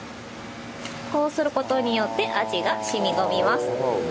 こうする事によって味が染み込みます。